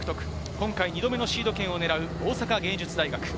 今回２度目のシード権を狙う大阪芸術大学。